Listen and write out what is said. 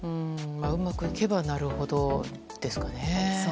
うまくいけばなるほどですね。